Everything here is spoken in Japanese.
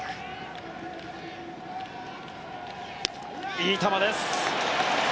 いい球です。